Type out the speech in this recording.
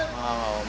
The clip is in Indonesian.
enggak enggak om